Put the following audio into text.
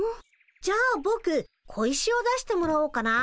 じゃあぼく小石を出してもらおうかな。